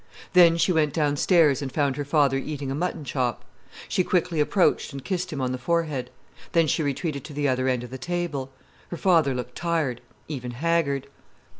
Then she went downstairs and found her father eating a mutton chop. She quickly approached and kissed him on the forehead. Then she retreated to the other end of the table. Her father looked tired, even haggard.